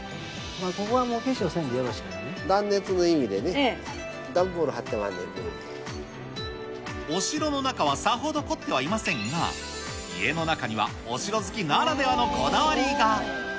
ここはもう化粧せんでよろしいからね、断熱の意味でね、段ボールお城の中はさほど凝ってはいませんが、家の中にはお城好きならではのこだわりが。